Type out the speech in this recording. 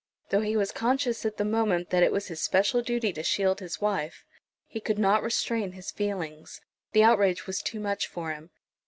Though he was conscious at the moment that it was his special duty to shield his wife, he could not restrain his feelings. The outrage was too much for him.